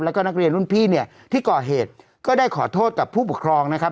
แล้วก็นักเรียนรุ่นพี่เนี่ยที่ก่อเหตุก็ได้ขอโทษกับผู้ปกครองนะครับ